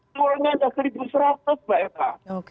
suaranya ada rp satu seratus mbak epa